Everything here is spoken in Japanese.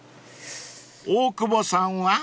［大久保さんは？］